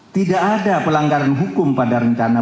tidak ada pelanggaran hukum pada rencana